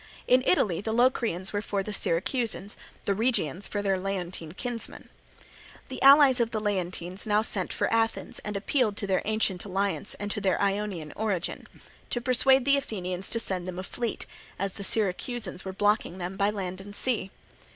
In Italy the Locrians were for the Syracusans, the Rhegians for their Leontine kinsmen. The allies of the Leontines now sent to Athens and appealed to their ancient alliance and to their Ionian origin, to persuade the Athenians to send them a fleet, as the Syracusans were blockading them by land and sea.